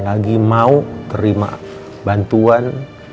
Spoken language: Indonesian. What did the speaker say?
lagi mau terima bantuan